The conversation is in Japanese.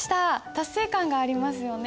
達成感がありますよね。